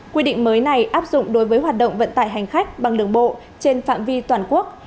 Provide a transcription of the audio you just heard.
quy định mới này áp dụng đối với hoạt động vận tải hành khách bằng đường bộ trên phạm vi toàn quốc